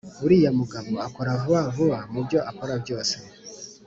Uriya mugabo akora vuba vuba mubyo akora byose